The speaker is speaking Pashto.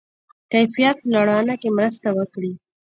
کیفیت لوړونه کې مرسته وکړي.